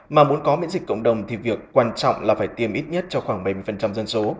mà muốn có miễn dịch cộng đồng thì việc quan trọng là phải tiêm ít nhất cho khoảng bảy mươi dân số